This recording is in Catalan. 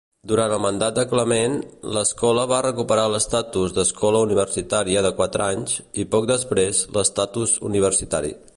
Durant el mandat de Clement, l'escola va recuperar l'estatus d'escola universitària de quatre anys i, poc després, l'estatus universitari.